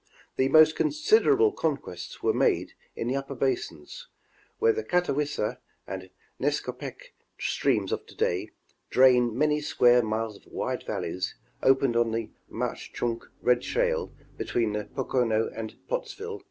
The most considerable conquests were made in the upper basins, where the Catawissa and Nescopec streams of to day drain many square miles of wide valleys opened on the Mauch Chunk red shale between the Pocono and Pottsville.